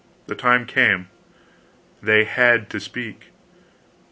The time came. They HAD to speak.